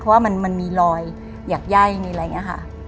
เพราะว่ามันมีรอยหยักไย่มีอะไรอย่างนี้ค่ะ